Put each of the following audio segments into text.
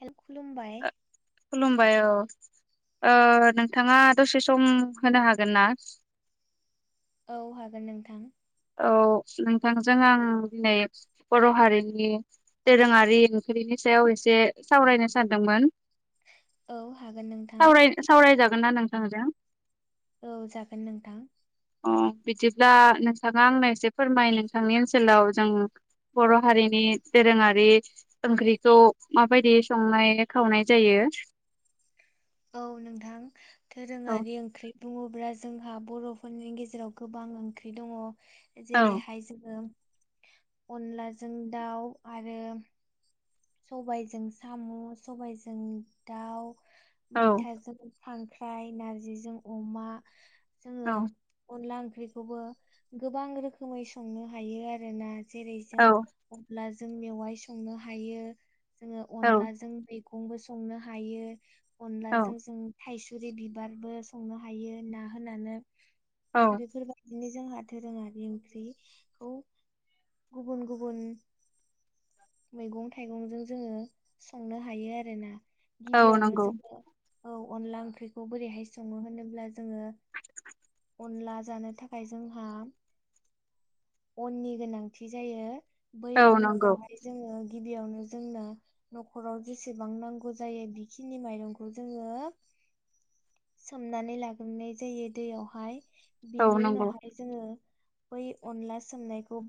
Hello खुलुमबायबाय। खुलुमबाय अ ओ नोंथाङा दसे सम होनो हागोन ना? औ हागोन नोंथां। औ नोंथांजों आं दिनै बर' हारिनि दोरोङारि ओंख्रिनि सायाव एसे सावरायनो सानदोंमोन। औ हागोन नोंथां। होनना नोंथां होजों। औ जागोन नोंथां। अ बिदिब्ला नोंथाङा आंनो एसे फोरमाय नोंथांनि ओनसोलाव जों बर' हारिनि दोरोङारि ओंख्रिखौ माबायदि संनाय खावनाय जायो। [inaudible] औ नोंथां औ दोरोङारि ओंख्रि बुङोब्ला जोंहा बर'फोरनि गेजेराव गोबां ओंख्रि दङ। औ जेरैहाय जोङो अनलाजों दाउ आरो सबायजों साम' सबायजों दाउ औ मैथाजों खांख्राइ नारजिजों अमा जोङो औ अनला ओंख्रि ओंख्रिखौबो गोबां रोखोमै संनो हायो आरोोना जेरै जों अब्ला जों मेवाइ संनो हायो। जोङो औ अनलाजों मैगंबो संनो हायो, औ अनलाजों जों थाइसुरि बिबारबो संनो हायो ना होनानै औ बेफोरबायदिनो। जोंहा दोरोङारि ओंख्रिखौ गुबुन गुबुन मैगं थाइगंजों जोङो संनो हायो आरोोना, औ गिबियावनो नंगौ जोङो औ अनला ओंख्रिखौ बोरैहाय सङो होनोब्ला जोङो? अनला जानो थाखाय जोंहा अननि गोनांथि जायो, बै औ अनखौ नंगौ जोङो गिबियावनो जोंनो न'खराव जेसेबां नांगौ जायो बेखिनि माइरंखौ जों दा [inaudible] सोमनानै लाग्रोनाय जायो दैयावहाय औ बेनि नंगौ उनावहाय जोङो बै अनला सोमनायखौ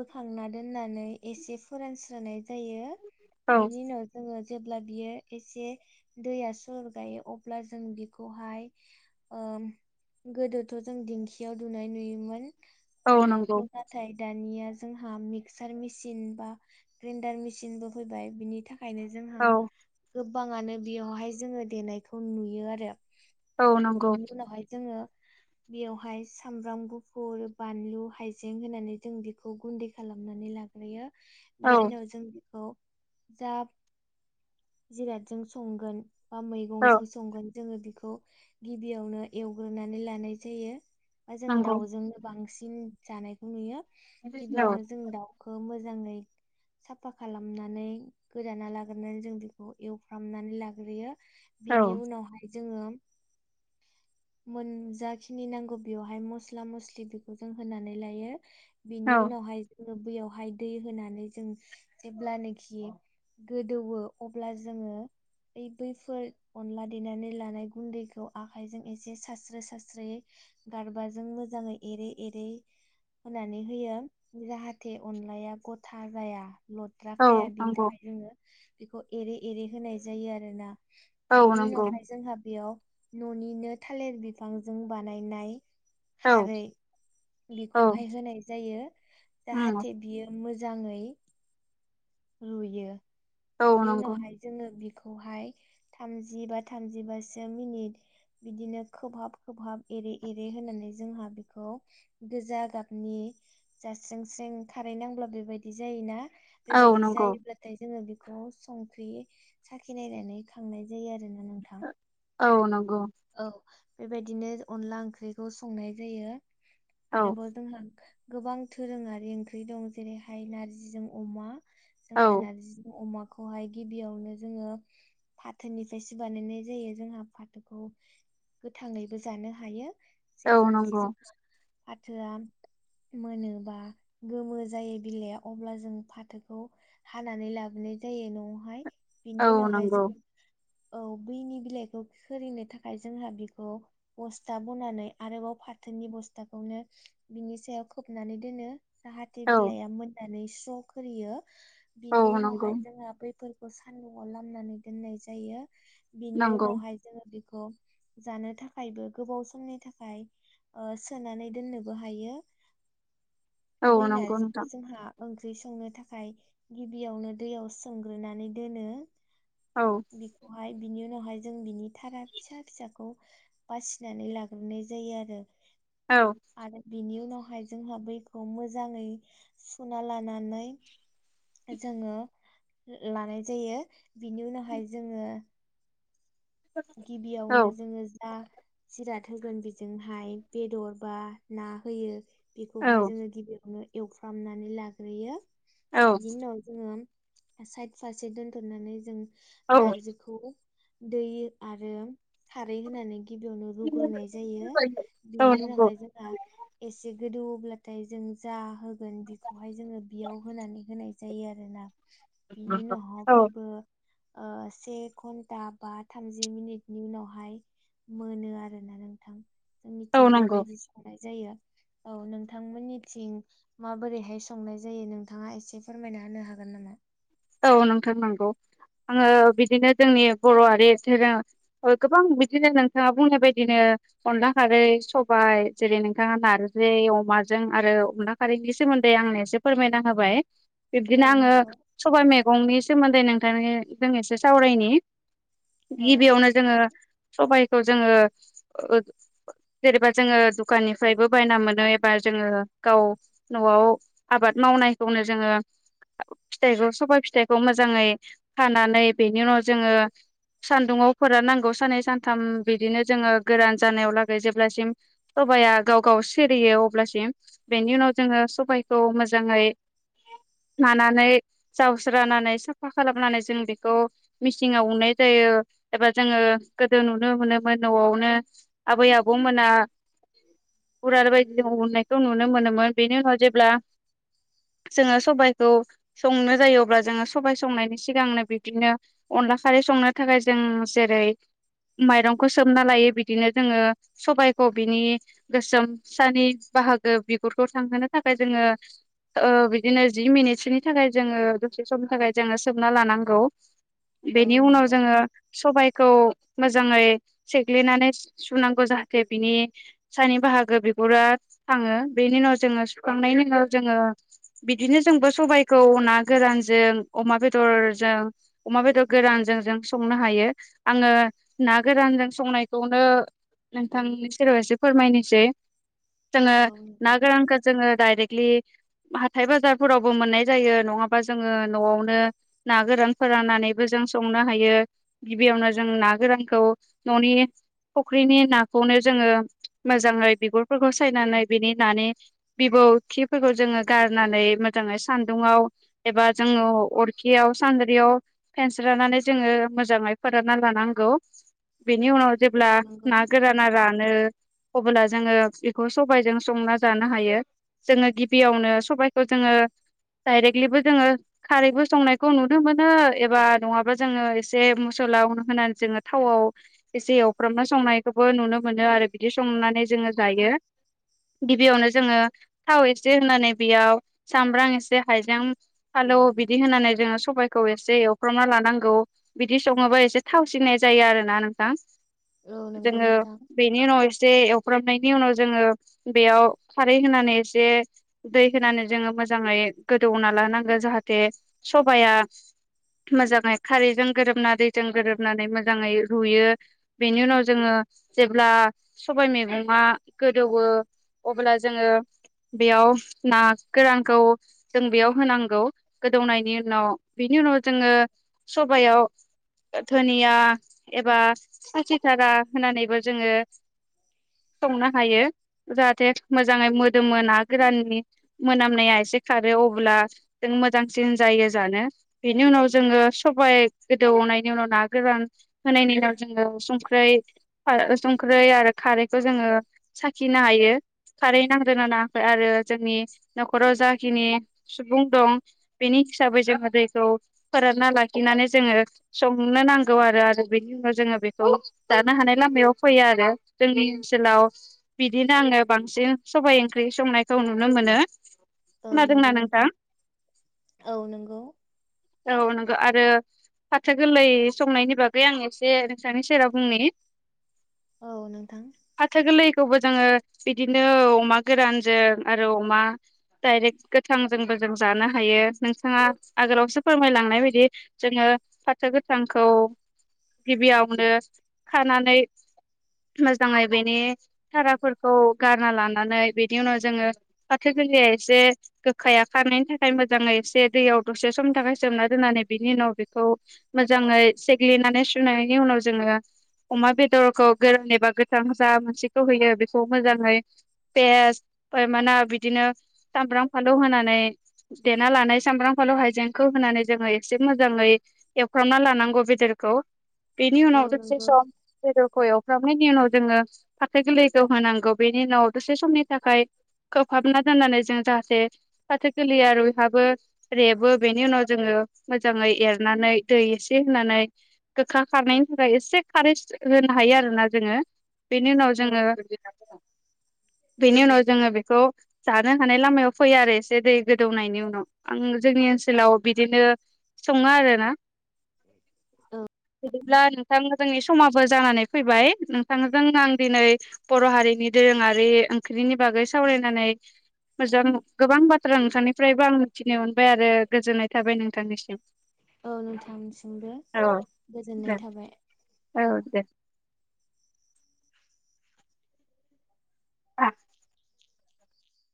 बोखांना दोननानै एसे फोरानस्रोनाय जायो औ बिनि उनाव जोङो जेब्ला बियो एसे दैया सुर गायो अब्ला जों बिखौहाय ओ ओम गोदोथ' जों दिंखियाव दुनाय नुयोमोन औ नंगौ अनलाखौ नाथाय दानिया जोंहा मिक्सार मिसिन बा ग्रेन्डार मेसिनबो फैबाय बिनि थाखायनो जोंहा औ गोबाङानो बेयावहाय जोङो देनायखौ नुयो आरो औ नंगौ बिनि उनावहाय जोङो बेयावहाय सामब्राम गुफुर बानलु हाइजें होनानै जों बेखौ गुन्दै खालामनानै ला नुयो औ बेनि उनाव जों बेखौ जा जिरादजों संगोन बा औ मैगंजों संगोन जोङो बेखौ गिबियावनो एवग्रोनानै लानाय जायो बा जों नंगौ दाउजोंनो बांसिन जानायखौ नुयो गिबियावनो जों दाउखौ मोजां मोजांङै साफा खालामनानै गोदाना लाग्रोनानै जों बेखौ एवफ्रामनानै लाग्रोयो औ बिनि उनावहाय जोङो मोन जाखिनि नांगौ बेवहाय मस्ला मस्लि बेखौ जों होनानै लायो औ बिनि उनावहाय जोङो बैयावहाय दै होनानै जों जेब्लानाखि गोदौवो अब्ला जोङो बे बैफोर अनला देनानै लानाय गुन्दैखौ आखाइजों एसे सास्रो सास्रोयै गारबाजों मोजाङै एरै एरै होननानै होयो जाहाथे अनलाया गथा साजाया लद्रा खाया औ बिनि नंगौ थाखाय जोङो बेखौ एरे एरे होनाय जायो आरोना औ बेनि नंगौ उनावहाय जोंहा बेयाव न'निनो थालिर बिफांजों बानायनाय औ खारै औ बेखौहाय होनाय जायो उम जाहाथे बियो मो जाङै रुयो औ बिनि नंगौ उनावहाय जोङो थामजि बा थामजिबासो मिनिद बिदिनो खोबहाब खोबहाब एरै एरै होननानै जों बे गोजा गाबनि जास्रें स्रें खा नांब्ला बेबायदि जायोना औ बेबायदि नंगौ जायोब्लाथाय जोङो बेखौ संख्रि साखि नायनानै खांनाय जायो आरो ना औ नंगौ औ बेबायदिनो अनला ओंख्रिखौ संनाय जायो औ आरोबाव जोंहा गोबां दोरोङारि ओंख्रि दं जेरैहाय नारजिजों अमा जोंहा औ नारजिजों अमा खौहाय गिबियावनो जोङो फाथोनिफ्रायसो बानायनाय जायो जोंहा फाथोखौ गोथाङैबो जानो हायो औ जेब्लाखि नंगौ जोङो फाथोआ मोनोबा गोमो जायो बिलाइआ अब्ला जों फाथोखौ हानानै लाबोनाय जायो न'वहाय औ बिनि उनावहाय नंगौ जों औ बैनि बिलाइखौ [unintelligible] हाय जोंहा बिखौ बस्था बनानै आरोबाव फाथोनि बस्थाखौनो बिनि सायाव खोबनानै दोनो जाहाथे औ बिलाइया मोननानै स्र' खोरियो औ बिनि नंगौ उनावहाय जोङो बैफोर खौ सान्दुंआव लामनानै दोननाय जायो बिनि नंगौ उनावहाय जोङो बेखौ जानो थाखायबो गोबाव समनि थाखाय ओ सोनानै दोननोबो हायो [inaudible] बै नंगौ नारजिखौ नोंथां जोंहा ओंख्रि संनो थाखाय गिबियावनो दैयाव सोमग्रोनानै दोनो औ बिखौहाय बिनि उनावहाय जों बिनि थारा फिसा फिसाखौ बासिनानै लाग्रोनाय जायो आरो। औ आरो बिनि उनाव हाय जोंहा बैखौ मोजाङै सुना लानानै जोङो लानाय जायो बिनि उनावहाय जोङो गिबियावनो औ जोङो जा जिराद होगोन बेजोंहाय बेदर बा ना होयो बेखौहाय औ जोङो गिबियावनो एवफ्रामनानै लाग्रोयो औ बिनि उनाव जोङो साइड फारसे दोनथ'नानै जों औ नारजिखौ दै आरो खारै होनानै गिबियावनो रुग्रोनाय जायो औ बिनि नंगौ उनावहाय जोंहा एसे गोदौवो ब्लाथाय जों जा होगोन बिखौहाय जोङो बियाव होनानै होनाय जायो आरोना। बिनि उनावभहा औ बैयबो ओ से घन्टा बा थाम जि मिनिटनि उनावहाय मोनो आरोना नोंथां। जोंनिथिं औ नंगौ बेबायदि जानाय जायो। औ नोंथांमोननिथिं माबोरैहाय संनाय जायो नोंथाङा एसे फोरमायना होनो हागो न नामा? औ नोंथां नंगौ। आङो बिदिनो जोंनि बर' हारि धोरोम ओ गोबां बिदिनो नोंथाङा बुंनाय बायदिनो अनला खारै सबाइ जेरै नोंथाङा नारजै अमाजों आरो अनला खारैनि सो मोन्दै आंनो एसे फोरमायना होबाय औ बिब्दिनो आङो नंगौ सबाइ मेगंनि सोमोन्दै नोंथांनिजों एसे सावरायनि औ गिबियावनो जोङो सबाइखौ जोङो ओ जेनेबा जोङो दुखाननिफ्रायबो बायना मोनो एबा जोङो गाव न'आव आबाद मावनायखौनो जोङो फिथाइखौ सबाय फिथाइखौ मोजाङै खानानै बेनि उनाव जोङो सान्दुङाव फोराननांगौ साननै सानथाम बिदिनो जोङो गोरान जानायावलागै जेब्लासिम स बाया गाव गाव सिरियो अब्लासिम बेनि उनाव जोङो सबायखौ मोजाङै नानानै जावस्रानानै साफा खालामनानै जों बेखौ मिसिंआव उनाय जायो एबा जोङो गोदो नुनो मोनोमोन न'आवनो आबै आबौमोना गरार बायदिजों उननायखौ नुनो मोनोमोन बेनि उनाव जेब्ला जोङो सबायखौ संनो जायो अब्ला जोङो सबाय संनायनि सिगांनो बिदिनो अनला खारै संनो थाखाय जों जे रै माइरंखौ सोमना लायो बिदिनो जोङो सबायखौ बिनि गोसोम सानि बाहागो बिगुरखौ थांहोनो थाखाय जोङो ओ बिदिनो जि मिनिटसोनि थाखाय जोङो दसे समनि थाखाय जोङो सोमना लानांगौ। औ बेनि उनाव नंगौ जोङो सबाइखौ मोजाङै सेग्लिनानै सुनांगौ जाहाथे बिनि सानि बाहागो बिगुरा थाङो बेनि उनाव जोङो सुखांनायनि उनाव जोङो बिदिनो जोंबो सबाइ खौ ना गोरानजों अमा बेदरजों अमा बेदर गोरानजों जों संनो हायो। आङो ना गोरानजों संनायखौनो नोंथांनि सोरबा एसे फोरमायनोसै। जोङो औ ना नोंथां गोरानखौ जोङो डाइरेक्टलि हाथाय बाजारफोरावबो मोननाय जायो नङाबा जोङो न'आवनो ना गोरान फोराननानैबो जों संनो हायो गिबि यावनो जों ना गोरानखौ न'नि फुख्रिनि नाखौनो जोङो मोजाङै बिगुरफोरखौ सायनानै बिनि नानि बिबौ खिफोरखौ जोङो गारनानै मोजाङै सान्दुंआव एबा जोङो अरखियाव सान्द्रियाव फेनस्रोनानै जोङो मोजाङै फोराना लानांगौ बेनि उनाव जेब्ला औ नंगौ ना गोराना रानो अबोला जोङो बेखौ सबायजों संना जानो हायो। जोङो गिबियावनो सबबायखौ जोङो डायरेक्टलिबो जोङो खारैबो संनायखौ नुनो मोनो एबा नङाबा जोङो एसे मसला होनानै जोङो थाव एसे एवफ्रामना संनायखौबो नुनो मोनो आरो बिदि संनानै जोङो जायो गिबियावनो जोङो थाव एसे होनानै बेयाव सामब्राम एसे हाइजें फालौ बिदि होनानै जोङो सबबायखौ एसे एवफ्रामना लानांगौ बिदि सङोबा एसे थावसिननाय जायो आरो ना नोंथां औ नंगौ जोङो नोंथां बेनि उनाव एसे एव फ्रामनायनि उनाव जोङो बेयाव खारै होनानै एसे दै होनानै जोङो मोजां मोजाङै गोदौना लानांगौ जाहाथे सबाया मोजाङै खारैजों गोरोबना दैजों गोरोबनानै मोजाङै रुयो बेनि उनाव जोङो जेब्ला सबाय मैगङा गोदौयो अब्ला जोङो बेयाव ना गोरान खौ जों बेयाव होनांगौ गोदौनायनि उनाव बिनि उनाव जोङो सबायाव धोनिया एबा खासिथारा होननानैबो जोङो संनो हायो जाहाथे मोजाङै मोदोमो ना गोराननि मोनामनाया खारो अब्ला जों मोजांसिन जायो जानो बेनि उनाव जोङो सबाय दौनायनि उनाव ना गोरान होनायनि उनाव जोङो संख्रै संख्रै आरो खारै बेखौ जोङो साखिनो हायो खारै नांदोंना‌ नाङाखै आरो जोंनि न'खराव जा खिनि सुबुं दं बेनि हिसाबै जोङो दैखौ फोरानना लाखिनानै जोङो संनो नांगौ आरो बेनि उनाव जोङो बेखौ जानो हानाय लामायाव फैयो आरो जोंनि ओनसोलाव बिदिनो आङो बांसिन सबाय ओंख्रि संनायखौ नुनो मोनो औ नंगौ नोंथां औ नंगौ औ नोंगौ आरो फाथो गोरलै संनायनि बागै आं एसे नोंस्रानि सेराव बुंनि औ नोंथां थेवबो जोङो बिदिनो अमा गोरानजों आरो अमा डाइरेक्ट गोथांजोंबो जों जानो हायो नोंथाङा आगोलावसो फोरमायलांनाय बायदि जोङो ओ फाथो गोथांखौ गिबियावनो खानानै मोजाङै बेनि धाराफोरखौ गारना लानानै बिनि उनाव जोङो फाथो गोरलैयै से गोखाया खारनायनि थाखाय मोजाङै एसे दैयाव दसे समनि थाखाय सोमना दोननानै बिनि उनाव बेखौ खौ मोजाङै सेग्लिनानै सुनायनि उनाव जोङो अमा बेदरखौ गोरान एबा गोथां जा मोनसेखौ होयो बेखौ मोजाङै पेस फ्रायमाना बिदिनो सामब्राम फालौ होनानै देना लानाय सामब्राम फालौ हाइजेंखौ होनानै जोङो एसे मोजाङै एवफ्रामना लानांगौ बेदरखौ बेनि औ उनाव दसे नंगौ सम बेदरखौ एव फ्रामनायनि उनाव जोङो फाथो गोरलैखौ होनांगौ बेनि उनाव दसे समनि थाखाय खोबहाबना दोननानै जों जाहाथे फाथो गोर्लैया रयहाबो रेबो बेनि उनाव जोङो मोजाङै एरनानै नै दै एसे होनानै गोखा खारनायनि थाखाय एसे खारै होनो हायो आरोना जोङो बेनि उनाव औ जोङो बेनि उनाव जोङो बेखौ जानो हानाय लामायाव फैयो आरो एसे दै गोदौनायनि उनाव आं जोंनि ओनसोलाव बिदिनो सङा आरो ना औ बिदिब्ला नोंथां जोंनि समाबो जानानै फैबाय नोंथांजों आं दिनै बर' हारिनि दो रोङारि ओंख्रिनि बागै सावरायनानै मोजां गोबां बाथ्रा नोंथांनिफ्रायबो आं मिथिनो मोन बायारो आरो गोजोननाय थाबाय नोंथांनिसिम औ नोंथांसिमबो औ गोजोननाय दे थाबाय औ दे आ